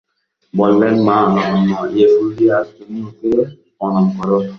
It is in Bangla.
বললেন, মা লাবণ্য, এই ফুল দিয়ে আজ তুমি ওকে প্রণাম করো।